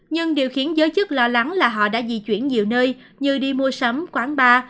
nhưng điều khiến giới chức lo lắng là họ đã di chuyển nhiều nơi như đi mua sắm quán bar